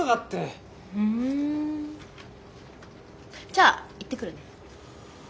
ふんじゃあ行ってくるね。